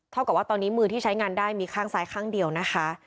กับว่าตอนนี้มือที่ใช้งานได้มีข้างซ้ายข้างเดียวนะคะ